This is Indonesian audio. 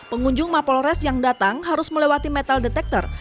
pengunjung mapolres yang datang harus melewati metal detector